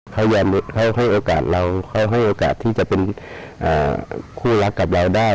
เขายอมให้โอกาสเราเขาให้โอกาสที่จะเป็นคู่รักกับเราได้